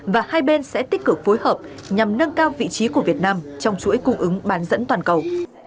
và hai bên sẽ tích cực phối hợp nhằm nâng cao vị trí của việt nam trong chuỗi cung ứng bán dẫn toàn cầu